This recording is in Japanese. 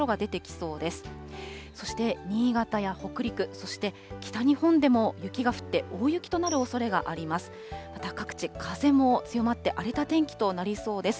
そして新潟や北陸、そして北日本でも雪が降って、大雪となるおそれがあります。